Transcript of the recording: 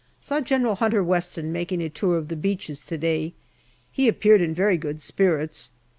Saw General Hunter Weston making a tour of the beaches to day. He appeared in very good spirits.